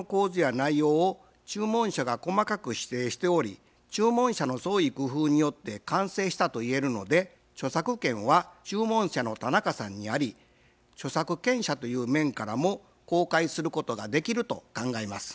しかし今回の場合注文者の創意工夫によって完成したといえるので著作権は注文者の田中さんにあり著作権者という面からも公開することができると考えます。